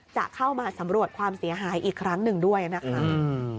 จะเข้ามาสำรวจความเสียหายอีกครั้งหนึ่งด้วยนะคะ